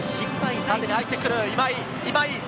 縦に入ってくる今井。